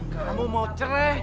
kamu mau cerai